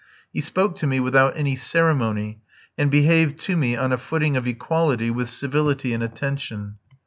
He spoke to me without any ceremony, and behaved to me on a footing of equality with civility and attention.